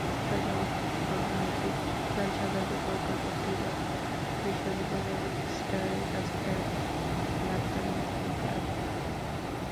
তাঁকে অব্যাহতি দানসংক্রান্ত প্রজ্ঞাপনটি দুপুরে বিশ্ববিদ্যালয়ের রেজিস্ট্রারের কাছে ফ্যাক্সবার্তার মাধ্যমে পাঠানো হয়।